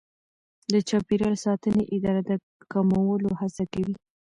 د چاپیریال ساتنې اداره د کمولو هڅه کوي.